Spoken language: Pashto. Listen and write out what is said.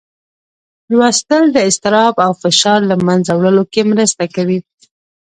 لوستل د اضطراب او فشار له منځه وړلو کې مرسته کوي.